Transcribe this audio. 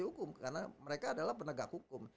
hukum karena mereka adalah penegak hukum